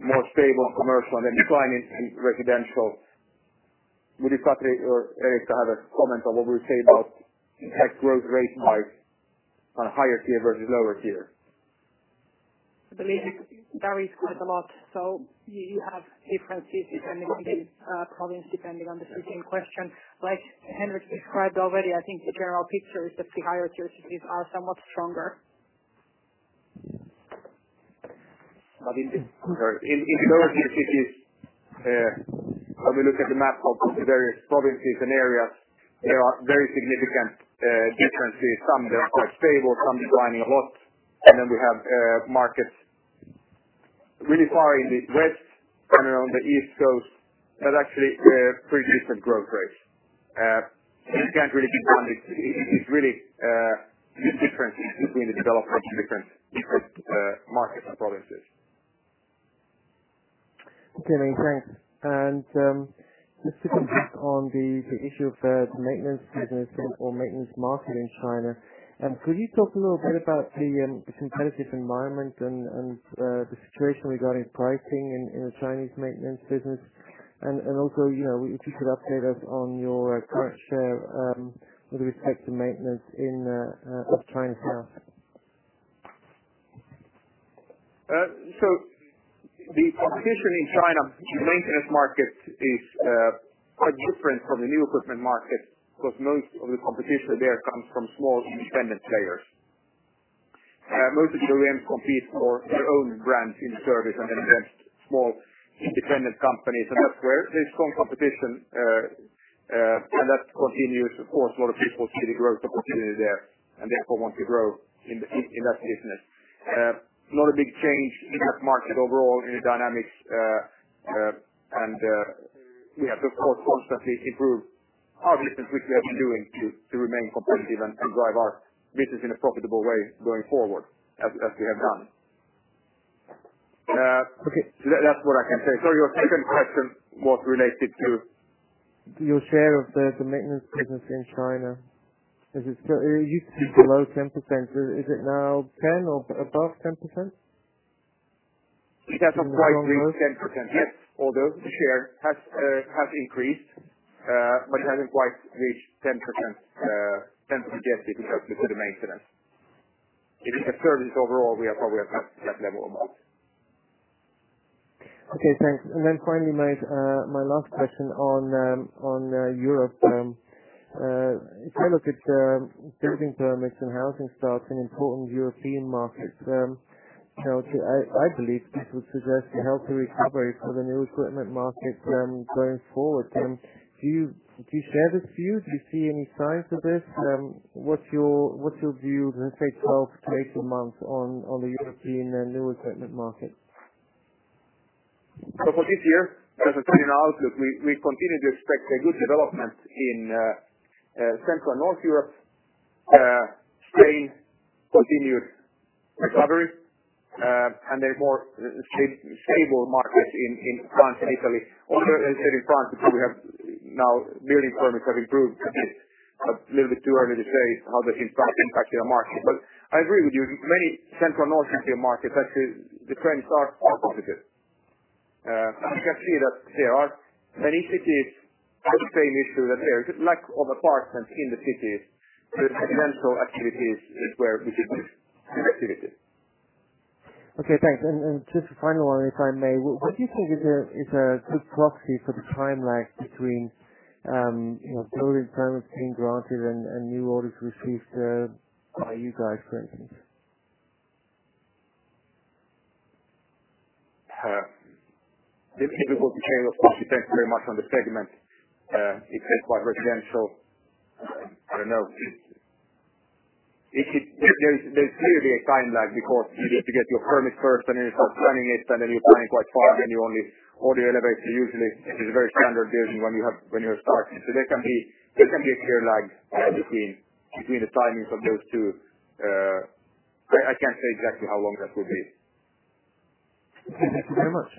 more stable and commercial, and then decline in residential. Would you, Katri or Erika, have a comment on what we say about impact growth rate by higher tier versus lower tier? I believe it varies quite a lot. You have differences depending on the province, depending on the city in question. Like Henrik described already, I think the general picture is that the higher tier cities are somewhat stronger. In the lower tier cities, when we look at the map of the various provinces and areas, there are very significant differences. Some that are quite stable, some declining a lot. We have markets really far in the west and around the east coast, but actually pretty different growth rates. You can't really generalize. It's really big differences between the development of different markets and provinces. Okay, many thanks. Just to complete on the issue of the maintenance business or maintenance market in China, could you talk a little bit about the competitive environment and the situation regarding pricing in the Chinese maintenance business? Also, if you could update us on your current share with respect to maintenance in Chinese market. The competition in China maintenance market is quite different from the new equipment market, because most of the competition there comes from small independent players. Most of KONE compete for their own brands in service and against small independent companies. That's where there's strong competition. That continues, of course, a lot of people see the growth opportunity there and therefore want to grow in that business. Not a big change in that market overall, in the dynamics. We have to, of course, constantly improve, obviously, which we have been doing to remain competitive and drive our business in a profitable way going forward, as we have done. Okay. That's what I can say. Sorry, your second question was related to? Your share of the maintenance business in China. It used to be below 10%. Is it now 10% or above 10%? It hasn't quite reached 10% yet, although the share has increased. It hasn't quite reached 10% yet, because we do the maintenance. If it's a service overall, we are probably at that level or more. Okay, thanks. Finally, my last question on Europe. If I look at building permits and housing starts in important European markets, I believe this would suggest a healthy recovery for the new equipment market going forward. Do you share this view? Do you see any signs of this? What's your view, let's say 12 to 18 months, on the European new equipment market? For this year, as I said in our outlook, we continue to expect a good development in Central and North Europe. Spain continued recovery, and a more stable market in France and Italy. As I said, in France, we have now building permits have improved a bit. A little bit too early to say how that impacts their market. I agree with you. Many Central North European markets, actually, the trends are positive. You can see that there are many cities with the same issue, that there is lack of apartments in the city. Residential activities is where we see this activity. Thanks. Just a final one, if I may. What do you think is a good proxy for the timeline between building permits being granted and new orders received by you guys, for instance? It depends very much on the segment. If it's quite residential, I don't know. There's clearly a timeline, because you have to get your permit first, and then you start planning it, and then you plan it quite far, then you order your elevator. Usually, it is a very standard building when you are starting. There can be a clear lag between the timing for those two. I can't say exactly how long that will be. Thank you very much.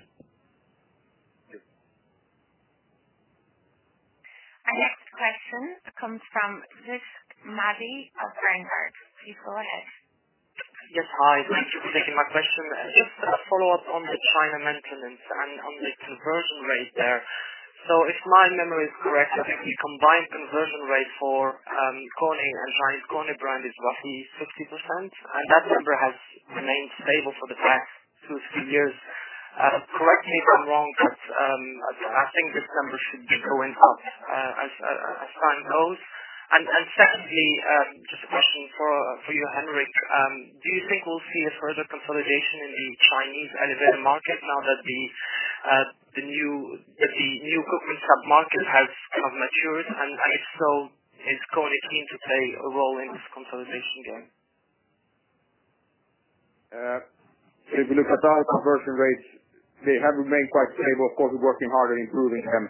Our next question comes from Rizk Maidi of Berenberg. Please go ahead. Yes. Hi, thank you for taking my question. Just a follow-up on the China maintenance and on the conversion rate there. If my memory is correct, I think the combined conversion rate for KONE and China's KONE brand is roughly 60%, and that number has remained stable for the past two, three years. Correct me if I'm wrong, I think this number should be going up as time goes. Secondly, just a question for you, Henrik. Do you think we'll see a further consolidation in the Chinese elevator market now that the new equipment sub-market has matured? If so, is KONE keen to play a role in this consolidation game? If you look at our conversion rates, they have remained quite stable. Of course, we're working hard at improving them.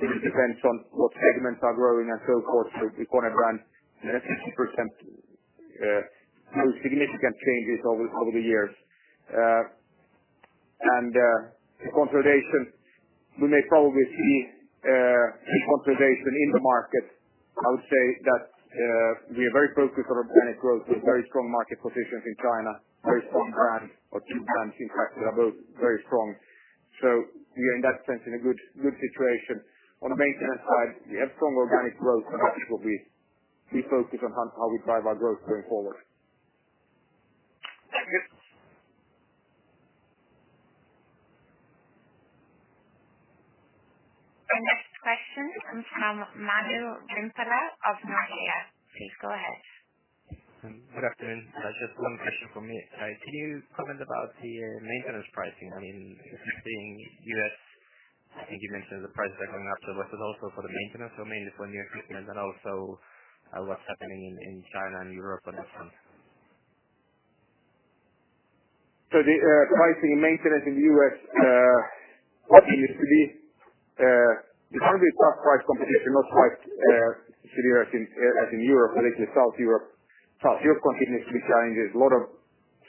It depends on what segments are growing and so forth. The KONE brand, 60%, no significant changes over the years. The consolidation, we may probably see a consolidation in the market. I would say that we are very focused on organic growth with very strong market positions in China, very strong brand or two brands, in fact, that are both very strong. We are, in that sense, in a good situation. On the maintenance side, we have strong organic growth, and that is what we focus on how we drive our growth going forward. Thank you. Our next question comes from Manu Rimpelä of Nordea. Please go ahead. Good afternoon. Just one question from me. Can you comment about the maintenance pricing? I think you mentioned the price there going up. Was it also for the maintenance or mainly for new equipment? What's happening in China and Europe on that front? The pricing and maintenance in the U.S., what it used to be. It can be tough price competition, not quite severe as in Europe, particularly South Europe. South Europe continues to be challenging. There's a lot of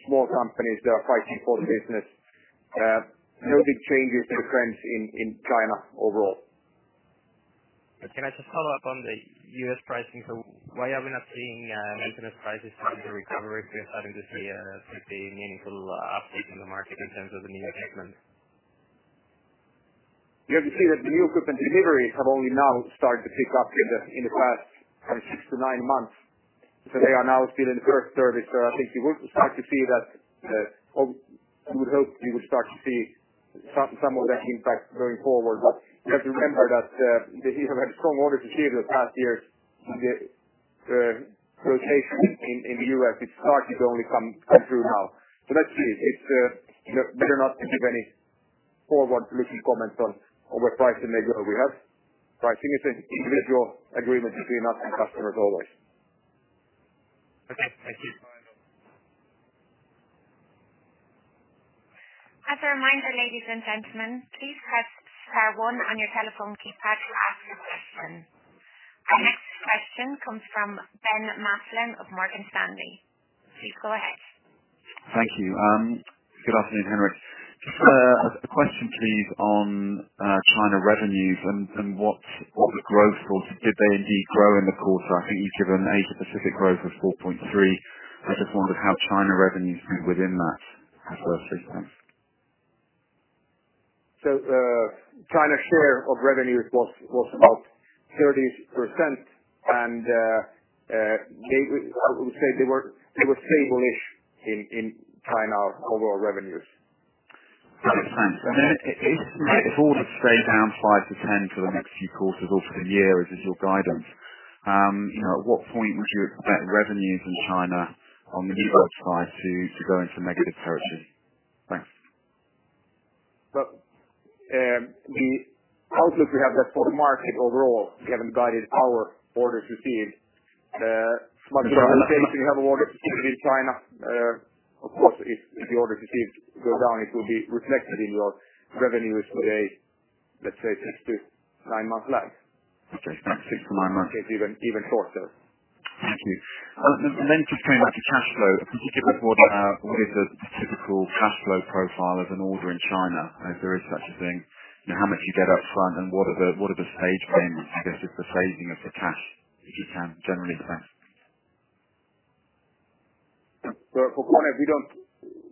small companies that are fighting for business. No big changes to the trends in China overall. Can I just follow up on the U.S. pricing? Why are we not seeing maintenance prices starting to recover if we are starting to see a pretty meaningful uptake in the market in terms of the new equipment? You have to see that the new equipment deliveries have only now started to pick up in the past six to nine months. They are now still in the first service. I think you would hope we would start to see some of that impact going forward. You have to remember that they have had strong order to ship the past years, and the rotation in the U.S., it started to only come through now. Let's see. It's better not to give any forward-looking comments on where pricing may go. We have pricing is an individual agreement between us and customers always. Okay. Thank you. As a reminder, ladies and gentlemen, please press star one on your telephone keypad to ask a question. Our next question comes from Ben Maslen of Morgan Stanley. Please go ahead. Thank you. Good afternoon, Henrik. A question, please, on China revenues and what the growth was. Did they indeed grow in the quarter? I think you gave an Asia Pacific growth of 4.3. I just wondered how China revenues fit within that first statement. China's share of revenues was about 30%, and I would say they were stable-ish in China overall revenues. Got it. Thanks. If orders stay down 5% for the next few quarters or for the year, as is your guidance, at what point would you expect revenues in China on the new book side to go into negative territory? Thanks. Well, the outlook we have there for the market overall, we haven't guided our orders received. Much like you have orders in China. Of course, if the orders received go down, it will be reflected in your revenues for, let's say, six to nine months lag. Okay. Six to nine months. Even shorter. Thank you. Just coming back to cash flow. Can you give us what is the typical cash flow profile of an order in China, if there is such a thing? How much you get up front, and what are the stage payments? I guess, just the phasing of the cash, if you can, generally. Thanks. For KONE,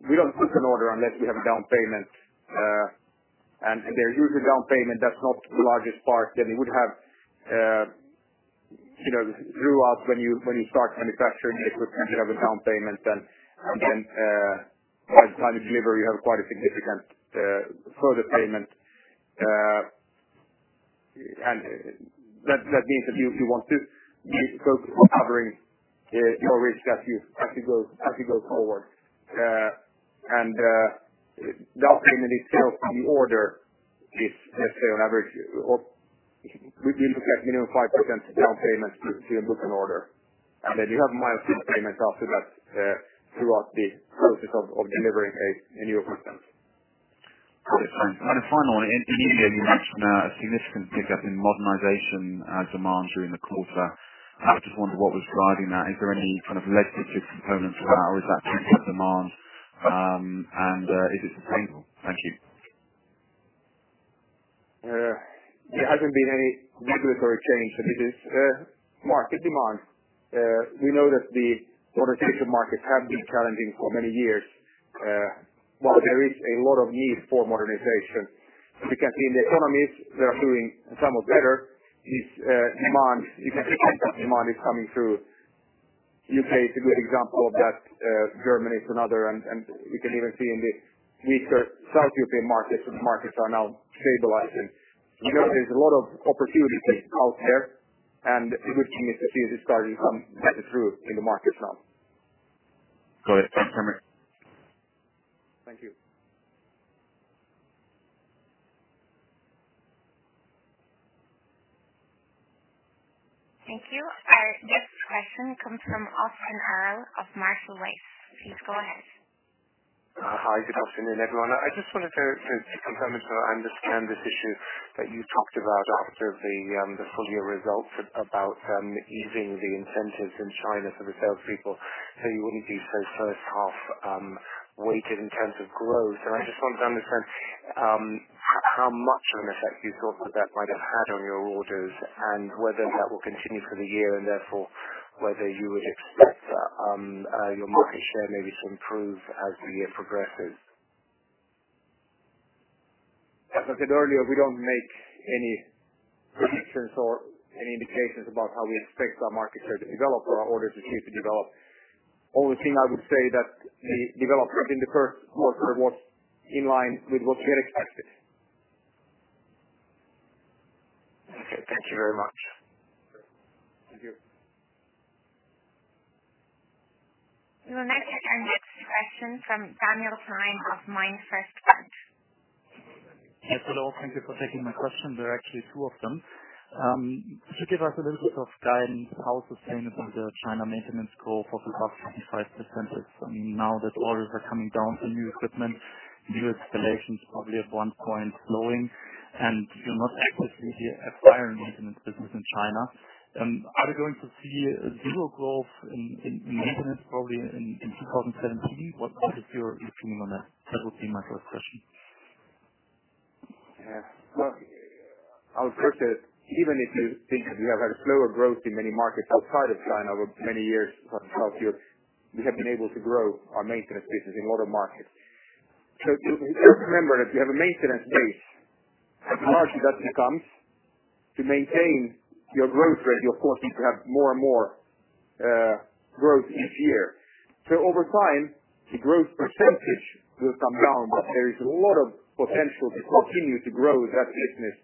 we don't book an order unless we have a down payment. They're usually down payment that's not the largest part. You would have throughout when you start manufacturing the equipment, you have a down payment, then by the time of delivery, you have quite a significant further payment. That means that you want to keep covering your risk as you go forward. Down payment is still from the order, let's say, on average. We look at minimum 5% down payment to book an order. You have milestone payments after that throughout the process of delivering a new equipment. Got it. Thanks. Finally, in EMEA, you mentioned a significant pickup in modernization demands during the quarter. I just wondered what was driving that. Is there any kind of legislative component to that, or is that pure demand? Is it sustainable? Thank you. There hasn't been any regulatory change. It is market demand. We know that the modernization markets have been challenging for many years. While there is a lot of need for modernization, we can see in the economies, they are doing somewhat better. This demand, you can see that demand is coming through. U.K. is a good example of that. Germany is another, we can even see in the weaker South European markets, that the markets are now stabilizing. We know there's a lot of opportunities out there, a good thing is that we have started to cut through in the markets now. Got it. Thanks, Henrik. Thank you. Thank you. Our next question comes from Austin Earl of Marshall Wace. Please go ahead. Hi, good afternoon, everyone. I just wanted to confirm and to understand this issue that you talked about after the full year results about easing the incentives in China for the salespeople, so you wouldn't be so first half weighted in terms of growth. I just wanted to understand how much of an effect you thought that that might have had on your orders, and whether that will continue for the year, and therefore, whether you would expect your market share maybe to improve as the year progresses. As I said earlier, we don't make any predictions or any indications about how we expect our market share to develop or our orders received to develop. Only thing I would say that the development in the quarter was in line with what we had expected. Okay. Thank you very much. Thank you. We will now take our next question from Daniel Gleim of MainFirst Bank. Yes, hello. Thank you for taking my question. There are actually two of them. Could you give us a little bit of guidance how sustainable the China maintenance growth of about 25% is? Now that orders are coming down for new equipment, new installations probably at one point slowing, and you are not actively acquiring maintenance business in China. Are we going to see zero growth in maintenance probably in 2017? What is your thinking on that? That would be my first question. Well, I would first say, even if you think we have had a slower growth in many markets outside of China over many years across South Europe, we have been able to grow our maintenance business in order markets. Remember that we have a maintenance base. As the market grows, to maintain your growth rate, you of course need to have more and more growth each year. Over time, the growth percentage will come down, but there is a lot of potential to continue to grow that business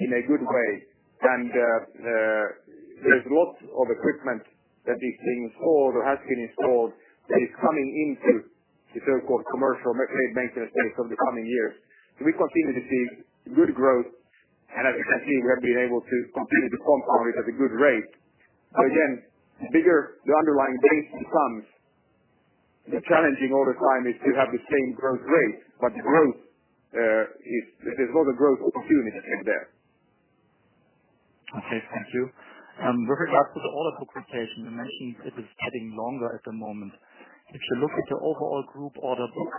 in a good way. There's lots of equipment that is being installed or has been installed that is coming into the so-called commercial maintenance phase over the coming years. We continue to see good growth. As you can see, we have been able to continue to compound it at a good rate. Again, the underlying base comes. The challenge in all the time is to have the same growth rate, but there's a lot of growth opportunities in there. Okay, thank you. With regards to the order book rotation, you mentioned it is getting longer at the moment. If you look at your overall group order book,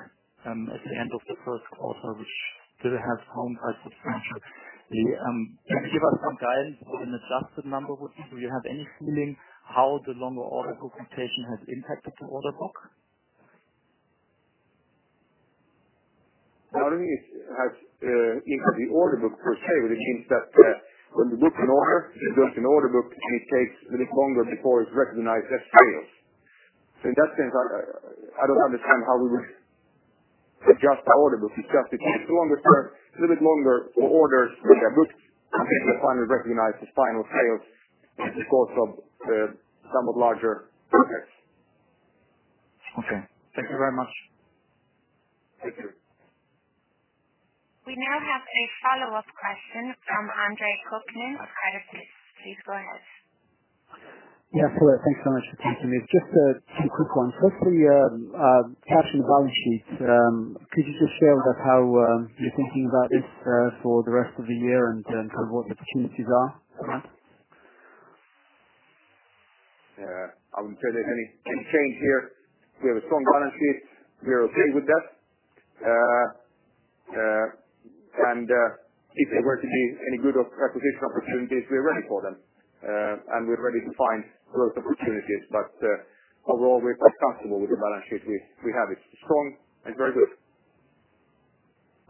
at the end of the first quarter, which still has some types of contracts, can you give us some guidance on an adjusted number? Do you have any feeling how the longer order book rotation has impacted your order book? Not only has it impacted the order book per se, but it means that when we book an order, it goes in the order book, and it takes a little longer before it's recognized as sales. In that sense, I don't understand how we would adjust our order book. It's just it takes a little bit longer for orders that we have booked to be finally recognized as final sales because of some of the larger projects. Okay. Thank you very much. Thank you. We now have a follow-up question from Andre Kukhnin of Credit Suisse. Please go ahead. Yeah, sure. Thanks so much for taking it. Just two quick ones. Firstly, cash and balance sheets. Could you just share with us how you're thinking about this for the rest of the year and sort of what the opportunities are? Yeah. I wouldn't say there's any change here. We have a strong balance sheet. We are okay with that. If there were to be any good acquisition opportunities, we are ready for them. We're ready to find growth opportunities. Overall, we're quite comfortable with the balance sheet we have. It's strong and very good.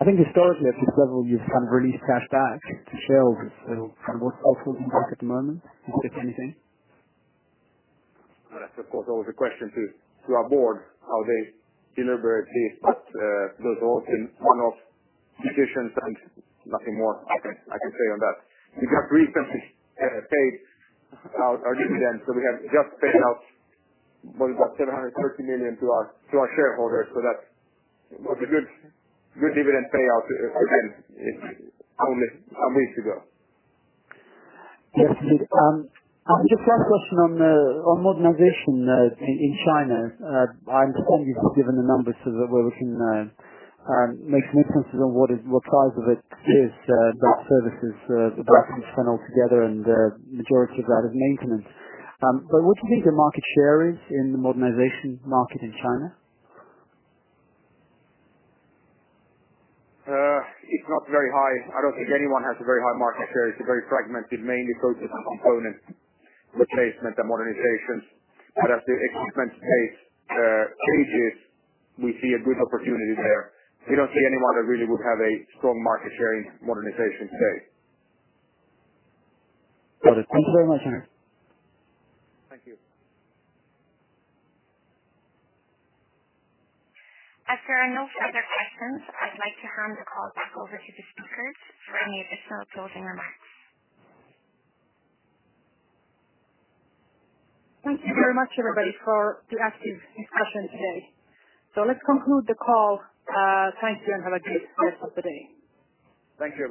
I think historically, at this level, you've released cash back to shareholders. What's helpful impact at the moment, if anything? That's, of course, always a question to our board, how they deliberate these. Those are often one-off decisions and nothing more I can say on that. We have recently paid out our dividend, we have just paid out about 730 million to our shareholders. That was a good dividend payout. Again, it's only a week ago. Yes. I have a quick question on modernization in China. I understand you've given the numbers so that we're looking makes references on what size of it is that services about 10% altogether and the majority of that is maintenance. What do you think the market share is in the modernization market in China? It's not very high. I don't think anyone has a very high market share. It's very fragmented, mainly focused on component replacement and modernization. As the equipment base changes, we see a good opportunity there. We don't see anyone that really would have a strong market share in modernization today. Got it. Thank you very much. Thank you. As there are no further questions, I'd like to hand the call back over to the speakers for any additional closing remarks. Thank you very much, everybody, for the active discussion today. Let's conclude the call. Thank you, and have a great rest of the day. Thank you